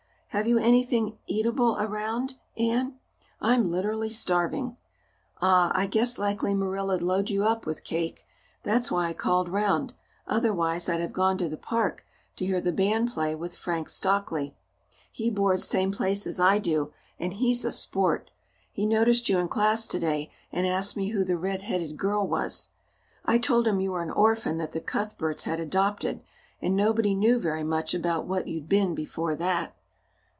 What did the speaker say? Have you anything eatable around, Anne? I'm literally starving. Ah, I guessed likely Marilla 'd load you up with cake. That's why I called round. Otherwise I'd have gone to the park to hear the band play with Frank Stockley. He boards same place as I do, and he's a sport. He noticed you in class today, and asked me who the red headed girl was. I told him you were an orphan that the Cuthberts had adopted, and nobody knew very much about what you'd been before that."